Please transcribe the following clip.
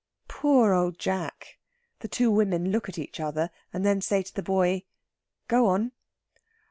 Poor Old Jack! The two women look at each other, and then say to the boy: "Go on."